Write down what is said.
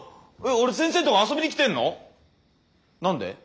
俺先生んとこ遊びに来てんの？